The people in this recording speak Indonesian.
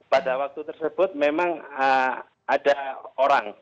pada waktu tersebut memang ada orang